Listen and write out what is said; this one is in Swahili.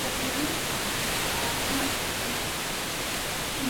wanyama wanaweza kuambukiza aina nyingi za magonjwa